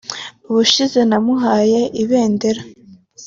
ubushize namuhaye ibendera